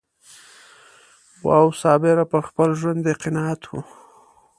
وو صابره پر خپل ژوند یې قناعت و